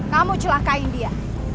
kamu celahkan dia